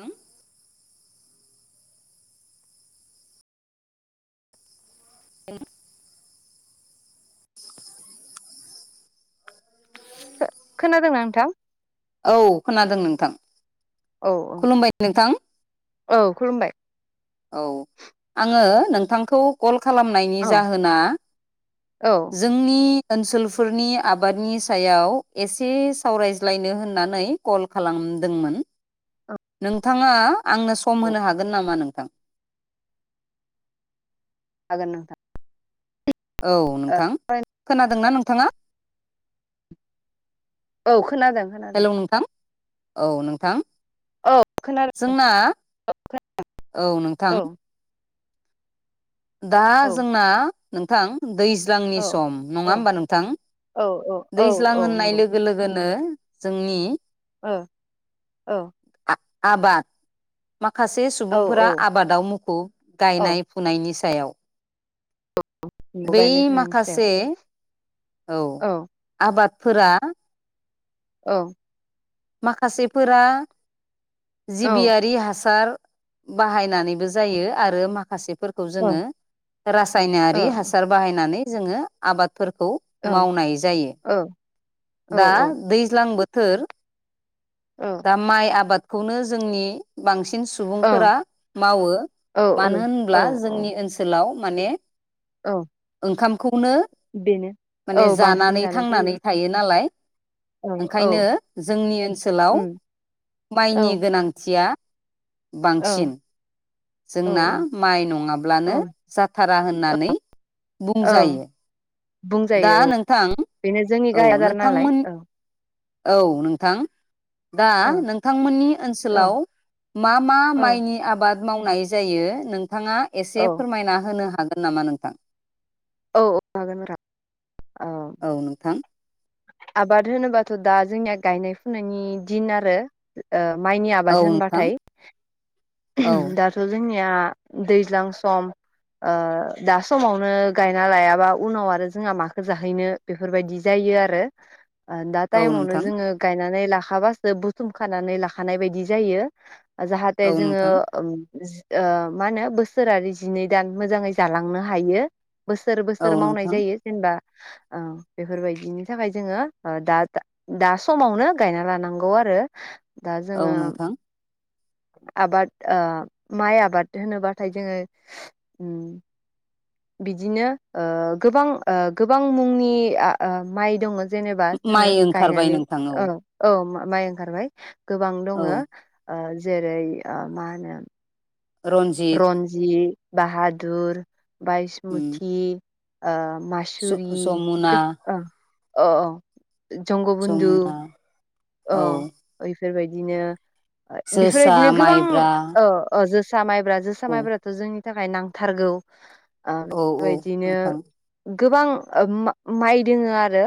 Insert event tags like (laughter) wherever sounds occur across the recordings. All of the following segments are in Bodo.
ओं इं खोनादोंना नोंथां औ खोनादों नोंथां औ खुलुमबाय नोंथां औ औ खुलुमबाय औ आङो नोंथांखौ कल खालामनायनि औ जाहोना औ जोंनि ओनसोलफोरनि आबादनि सायाव एसे सावरायज्लायनो होन होननानै कल खालामदोंमोन नोंथाङा आंनो सम औ होनो हागोन नामा नोंथां (inaudible) हागोन नोंथां औ नोंथां खोनादोंना नोंथाङा औ खोनादों खोनादों हेलौ नोंथां औ नोंथां औ खोनादों जोंना औ नोंथां औ दा औ जोंना नोंथां दै ज्लांनि सम औ नङा होमबा नोंथां औ औ औ दैज्लां औ होननाय नंगौ लोगो लोगोनो जोंनि ओ ओ आबाद माखासे औ सुबुंफोरा औ आबादाव मुखुब औ गायनाय फुनायनि सि थायाव नंगौ बै गायनाय फुनायनि सायाव माखासे औ आबादफोरा औ माखासेफोरा औ जिबियारि हासा हार बाहायनानैबो जायो आरो माखासे फोरखौ औ जोङो औ रायनारि हासार बाहायनानै जोङो आबाद फोरखौ औ मावनाय जायो औ औ दा दैज्लां बोथोर दा माइ आबादखौनो जोंनि बांसिन सिन सुबुंफोरा मावो औ मानो होनब्ला औ जोंनि ओनसोलाव माने औ खौनो बेनो औ माने बांसिन जानानै जानाय जायो थांनानै थायो नालाय औ औ ओंखायनो जोंनि ओनसोलाव उम औ माइनि गोनांथिया बांसिन। औ जोंना माइ नङाब्लानो जाथारा होननानै औ औ बुंजायो। दा बुंजायो औ नोंथां बेनो जोंनि औ गाहाय आदार नालाय नोंथांमोन औ औ नोंथां। दा औ नोंथांमोननि औ ओनसोलाव मा मा औ माइनि आबाद मावनाय जायो नोंथाङा औ एसे फोरमायना होनो हागोन नामा नोंथां? औ हागोन नोंथां। औ नोंथां। आबाद होनोबाथ' दा जोंनिया गायनाय फुनायनि दिन आरो ओ माइनि औ आबाद नोंथां होनबाथाय औ दाथ' जों जोंनिया दैज्लां सम ओ दा समावनो गायना लायाबा उनाव आरो जोंहा माखो जाहैनो बेफोरबायदि जायो। इयो आरो दा औ टाइममावनो नो नोंथां जोङो गायना नै लाखाबासो बुथुम खानानै लाखानाय बायदि जायो ओ जा औ जोङो नोंथां ओम ओ मा होनो बोसोरारि जिनै दान मोजाङै जालांनो हायो। बोसोर औ बोसोर मावनाय नोंथां जायो जेनेबा औ बेफोरबायदिनि थाखाय जोङो ओ दा दा समावनो गायना लानांगौ आरो। आरो दा औ जोङो नोंथां आबाद ओ माइ आबाद होनोबाथाय जोङो उम बिदिनो ओ गोबां ओ गोबां मुंनि आ ओ माइ दङ। जेनेबा जोङो माइ ओंखारबाय गायनानै नोंथां औ औ माइ ओंखारबाय गोबां औ दङ। ओ जेरै आ मा होनो रन्जित रनजिट, बाहादुर, बायसमुथि, ओ मासुरि जमुना अ अ जंगबन्धु जमुना अ औ बेफोरबायदिनो जोसा बेफोरबायदिनो गोबां माइब्रा ओ ओ जो जोसा माइब्रा जोसा औ माइब्राथ' जोंनि थाखाय नांथारगौ। ओ औ औ बेबायदिनो नोंथां। गोबां ओ मा माइ दोङो आरो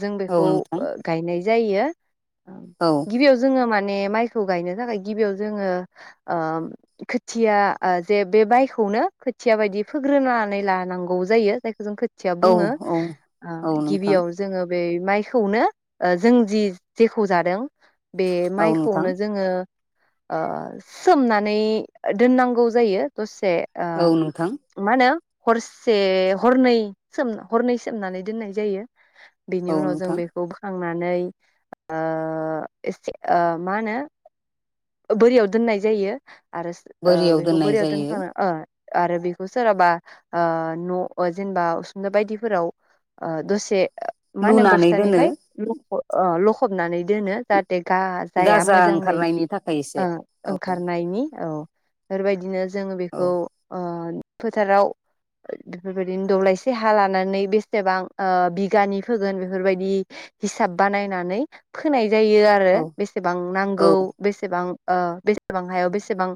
जों औ बेखौ नोंथां गायनाय जायो। औ गिबियाव जोङो मा ने माइखौ गायनो थाखाय गिबियाव जोङो ओ खोथिया जे बे माइखौ नों खोथिया बायदि फोग्रोनानै लानांगौ जायो जायखौ जों खो थिया औ बुङो। औ ओ औ नोंथां गिबियाव जोङो बे माइखौनो जों जि जेखौ जादों बे औ नोंथां माइखौनो जोङो ओ सोमनानै दोननांगौ जायो द से ओ औ नोंथां मा होनो हरसे हरनै सो हरनै सोमनानै दोननाय जायो। बेनि औ उनाव जों नोंथां बेखौ बोखांनानै ओ एसे ओ मा होनो बोरियाव दोननाय जायो। आरो ओ बोरियाव बेखौ दोननाय बोरियाव जायो दोनखांनानै ओ आरो बेखौ सोरहाबा ओ न' जेनेबा उसुंदा बायदिफोराव ओ दसे मा होनो लुनानै दोनो बस्थानिफ्राय ल ओ लखबनानै दोनो जा थे गा जाया गाजा मोजाङै ओंखारनायनि थाखाय एसे ओ ओंखारनायनि औ। बेफोरबायदिनो जोङो औ बेखौ ओ फोथाराव बेफोरबायदिनो दब्लायसे हा लानानै बेसेबां ओ बिगानि फोगोन बेफोरबायदि हिसाब बानायनानै फोनाय जायो आरो औ बेसेबां औ नांगौ बेसेबां ओ बेसेबां हायाव बेसेबां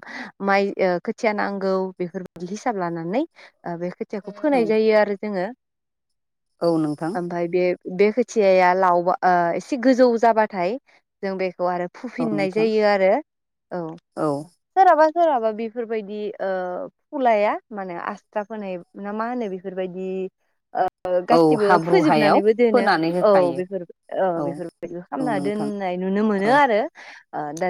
माइ खोथिया नांगौ बेफोरखौ हिसाब लानानै ओ बे खोथियाखौ औ फोनाय जायो आरो जोङो। औ नोंथां ओमफाय बे बे खोथियाया लावबा ओ एसे गोजौ जाबाथाय जों बे खौ आरो औ फुफिननाय नोंथां जायो आरो औ सोरहाबा सोरहाबा बेफोरबायदि ओ फुलाया माने आस्रा फोनाय ना मा होनो बेफोरबायदि ओ औ गासिबो हाब्रु हायाव फोजोबनानैबो दोनो फोनानै औ होखायो बेफोर औ बे फोरबायदिखौ औ खालामना नोंथां दोननाय नुनो मोनो औ आरो दा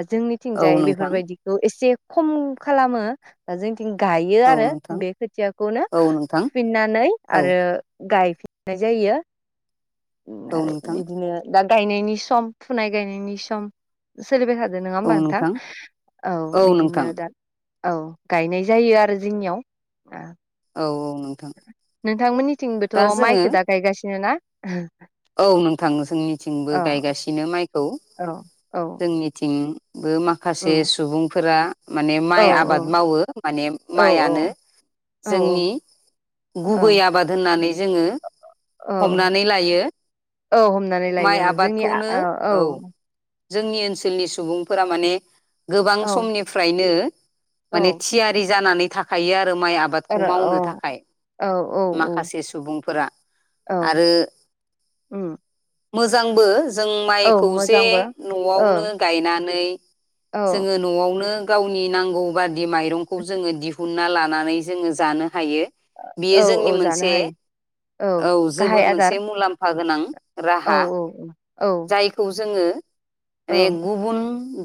औ जोंनिथिंजाय नोंथां बेफोरबायदिखौ एसे खम खालामो दा जोंनि थिं गायो औ आरो नोंथां बे खोथियाखौनो औ नोंथां फुफिननानै औ आरो गाय फिननाय जायो औ आरो नोंथां बिदिनो दा गायनायनि सम फुनाय गायनायनि सम सोलिबाय थादों नङा होमबा नोंथां औ बिदिनो दा औ गायनाय जायो आरो जोंनियाव औ औ नोंथां नोंथांमोननिथिंबोथ' दा जोङो माइखौ दा गायगासिनो ना औ नोंथां जोंनिथिंबो औ गायगासिनो माइखौ औ औ जोंनिथिं बो माखासे उम सुबुंफोरा माने औ माइ आबाद मावो माने औ माइआनो औ जोंनि गुबै औ आबाद होननानै जोङो औ हमनानै लायो औ हमनानै माइ लायो ओं जोंनि आबादखौनो औ औ जोंनि ओनसोलनि सुबुंफोरा माने गोबां औ समनिफ्रायनो औ माने थियारि जानानै थाखायो आरो माइ आबादखौ आरो औ मावनो थाखाय औ औ औ माखासे सुबुंफोरा आरो ओम मोजांबो जों माइखौ जे औ न'आवनो गायनानै औ जोङो न'आवनो गावनि नांगौ बादि माइरंखौ जोङो दिहुनना लानानै जोङो जानो हायो बियो औ जोंनि औ जानो मोनसे हायो औ जोबोर गाहाय आदार मोनसे मुलाम्फा गोनां औ राहा औ जायखौ जोङो औ माने गुबुन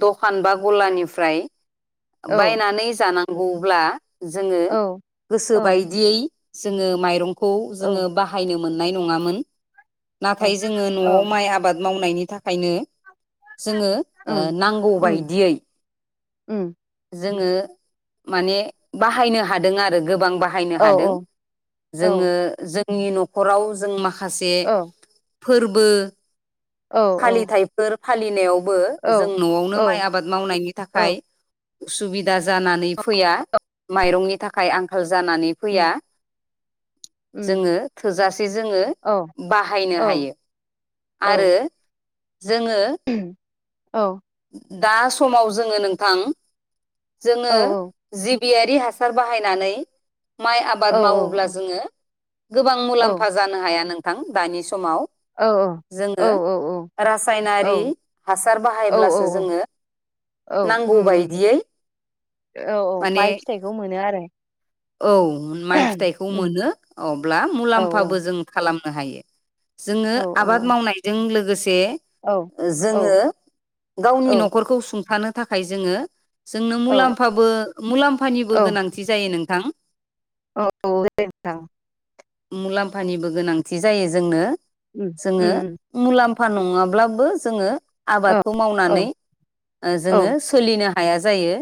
दखान बा गलानिफ्राय औ बायनानै जानांगौब्ला जोङो औ गोसो औ बायदि जोङो माइरंखौ जोङो बाहायनो मोननाय नङामोन नाथाय जोङो औ न'आव माइ आबाद मावनायनि थाखायनो जोङो ओ ओं नांगौ उम बायदियै उम जोङो माने बाहायनो हादों आरो गोबां बाहायनो औ हादों औ जोङो जोंनि न'खराव जों माखासे औ फोरबो औ फालिथायाइफोर फालिनायाव बो औ जों न'आवनो औ माइ आबाद मावनायनि थाखाय उसुबिदा जानानै फैया माइरंनि थाखाय आंखाल जानानै उम फैया जोङो थोजासे जोङो उम बाहायनो औ हायो औ आरो जोङो औ औ दा समाव जोङो नोंथां जोङो औ जि बियारि हासार बाहायनानै माइ औ आबाद मावोब्ला औ जोङो गोबां औ मुलाम्फा जानो हाया नोंथां दानि समाव औ जोङो औ औ रासायनारि हासार औ बाहायोब्लासो जोङो औ नांगौ उम उम बायदियै औ औ माने माइ फिथाइखौ मोनो आरो औ माइ फिथाइखौ उम मोनो अब्ला औ मुलाम्फाबो जों खालामनो हायो जोङो औ आबाद मावनायजों लो औ औ जोङो गावनि न'खरखौ सुंथानो थाखाय जोङो जोंनो औ मुलामफाबो मुलाम्फानिबो औ औ गोनांथि जायो नोंथां औ (unintelligible) मुलाम्फानिबो गोनांथि जायो जोंनो उम जोङो उम मुलामफ फा नङाब्लाबो जोङो औ आबादखौ औ मावनानै औ जोङो सोलिनो हायो हाया जायो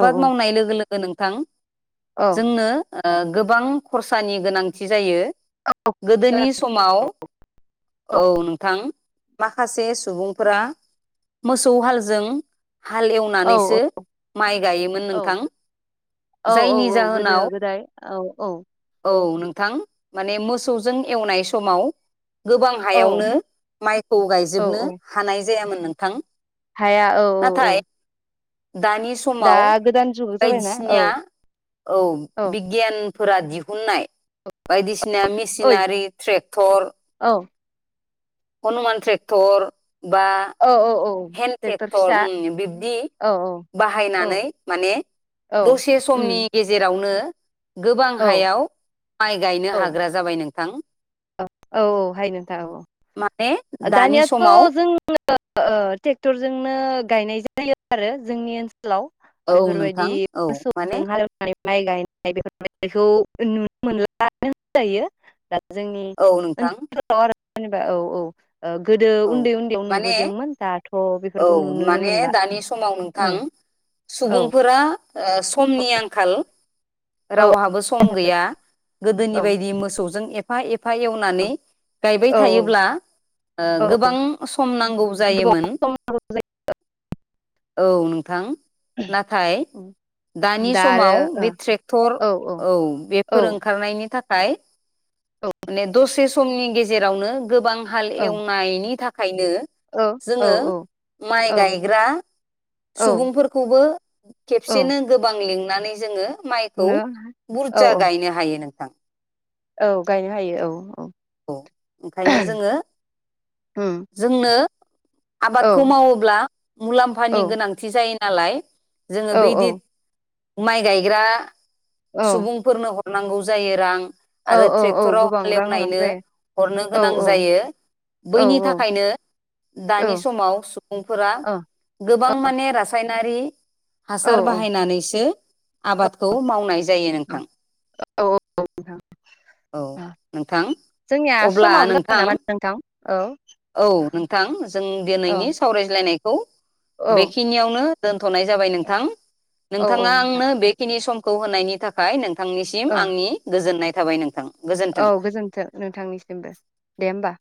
औ मावनाय लोगो लोगो नोंथां औ जोंनो गोबां खरसानि गोनांथि जायो गोदोनि समाव औ नोंथां माखासे सुबुंफोरा मोसौ हालजों हाल औ एवनानैसो माइ गायोमोन औ नोंथां औ जायनि गोदो जाहोनाव गोदाय औ औ औ नों मथां माने मोसौजों एवनाय समाव गोबां औ हायावनो माइखौ औ गायजोबनो औ हानाय जायामोन नोंथां हाया औ औ औ नाथाय दानि दा समाव गोदान जुग जाबायना औ बायदिसिनाया औ बिगियानफोरा दिहुननाय बायदिसिना सिना ओइ मेसिनारि ट्रेक्टर औ हनुमान ट्रेक्टर बा औ औ हेन्थ ट्रेक्टर टेक्टर फिसा ओम बिब्दि औ औ बाहायनानै औ माने औ दसे उम समनि गेजेरावनो गोबां औ हायाव माइ गायनो औ हाग्रा जाबाय नोंथां औ औ हाय नोंथां माने औ दानि दानियाथ' समाव जों ट्रेक्टरजोंनो गायनाय जायो आरो जोंनि ओनसोल आव औ बेफोरबायदि नोंथां औ मोसौ माने हालौनानै माइ गायनाय बेफोरबायखौ नुनो मोनलानो जायो दा जोंनि औ नोंथां ओनसोलफोराव आरो जेनेबा औ औ गोदो औ उन्दै उन्दैयाव माने नुबोदोंमोन दा औ माने दानि समाव औ नोंथां औ सुबुंफोरा समनि आंखाल औ रावहाबो सम गैया गोदोनि औ औ बायदि मोसौजों एफा एफा एवनानै गायबाय औ थायोब्ला औ गोबां सम नांगौ जायोमोन गोबाव औ नोंथां नाथाय दानि दा समाव आरो बे ट्रेक्टर औ औ बेफोर ओंखारनायनि थाखाय माने दसे समनि गेजेरावनो गोबां हाल औ एवनायनि थाखायनो औ जोङो माइ औ गायग्रा औ सुबुंफोरखौबो औ खेबसेनो गोबां लेंनानै जोङो माइखौ नो औ बुरजा औ गायनो हायो नोंथां औ गायनो हायो औ औ औ ओंखायनो जोङो उम जोंनो औ आबादखौ मावोब्ला औ मुलाम्फानि गोनांथि जायो नालाय जोङो औ बैदि माइ गायग्रा औ सुबुंफोरनो ह- र नांगौ जायो रां औ आरो औ औ ट्रेक्टराव गोबां रां गोनां हालेवनायनो जायो हरनो औ गोनां जायो औ बैनि औ थाखायनो औ दानि समाव सुबुंफोरा औ गोबां माने रा- सायनारि औ हासार बाहायनानैसो आबादखौ मावनाय जायो नोंथां औ नोंथां जोंनिया अब्ला समाबो जाबाय नोंथां नामा नोंथां औ औ नोंथां जों औ दिनैनि सावरायज्लाय- नायखौ औ बेखिनियावनो दोनथ'नाय जाबाय नोंथां औ नोंथाङा नोंथां आंनो बेखिनि समखौ होनायनि थाखाय नोंथांनिसिम औ आंनि गोजोननाय थाबाय नोंथां औ गोजोन्थों। गोजोन्थों नोंथांनिसिम। बो दे होमबा।